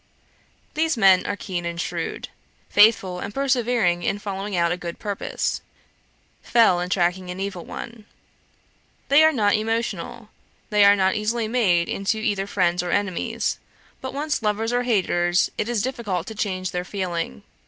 These men are keen and shrewd; faithful and persevering in following out a good purpose, fell in tracking an evil one. They are not emotional; they are not easily made into either friends or enemies; but once lovers or haters, it is difficult to change their feeling.